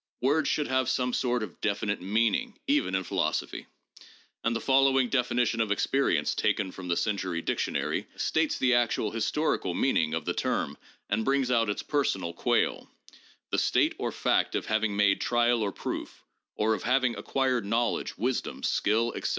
Words should have some sort of definite meaning even in philosophy, and the following definition of experience taken from the Century Dictionary states the actual historical meaning of the term and brings out its personal quale: "The state or fact of having made trial or proof, or of having acquired knowledge, wisdom, skill, etc.